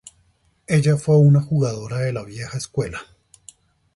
Ella fue una jugadora de la vieja escuela.